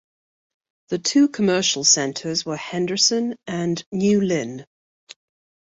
The two commercial centres were Henderson and New Lynn.